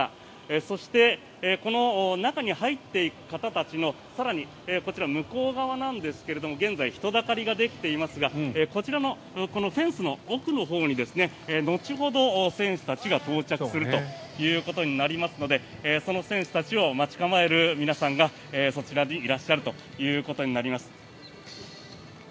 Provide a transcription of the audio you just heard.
そして、中に入っていく方たちの更にこちら、向こう側なんですが現在人だかりができていますがこちらもこのフェンスの奥のほうに後ほど選手たちが到着するということになりますのでその選手たちを待ち構える皆さんがそちらにいらっしゃるということになります。